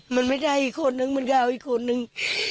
มันไม่ใช่อีกคนนึงมันยาวอีกคนนึง